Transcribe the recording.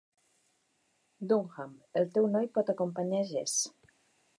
Dunham, el teu noi pot acompanyar Jesse?